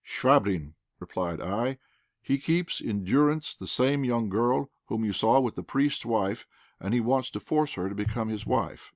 "Chvabrine," replied I; "he keeps in durance the same young girl whom you saw with the priest's wife, and he wants to force her to become his wife."